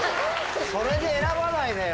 それで選ばないでよ。